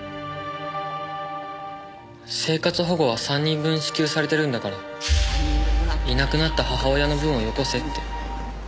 生活保護は３人分支給されてるんだからいなくなった母親の分を寄越せって。